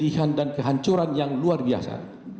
pilihan dan kehancuran yang luar biasa